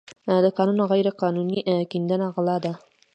د کانونو غیرقانوني کیندنه غلا ده.